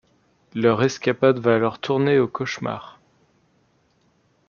Leur escapade va alors tourner au cauchemar.